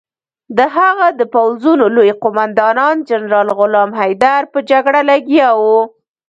د هغه د پوځونو لوی قوماندان جنرال غلام حیدر په جګړه لګیا وو.